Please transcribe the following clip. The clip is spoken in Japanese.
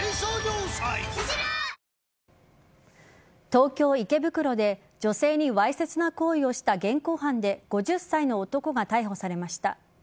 東京・池袋で女性にわいせつな行為をした現行犯で５０歳の男が逮捕されました。